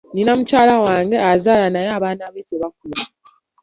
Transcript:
Nina mukazi wange wange azaala naye abaana be tebakula.